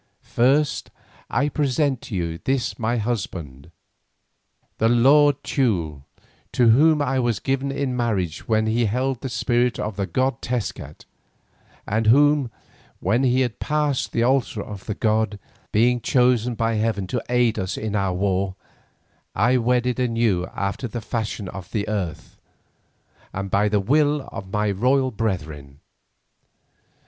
First I present to you this my husband, the lord Teule, to whom I was given in marriage when he held the spirit of the god Tezcat, and whom, when he had passed the altar of the god, being chosen by heaven to aid us in our war, I wedded anew after the fashion of the earth, and by the will of my royal brethren.